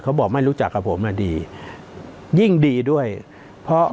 เขาบอกไม่รู้จักกับผมอ่ะดียิ่งดีด้วยเพราะ